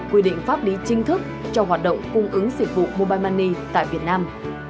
quy định pháp lý chính thức cho hoạt động cung ứng sử dụng mobile money tại việt nam